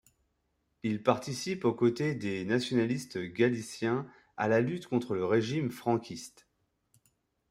Il participe, aux côtés des nationalistes galiciens, à la lutte contre le régime franquiste.